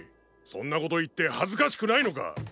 そんなこと言って恥ずかしくないのか！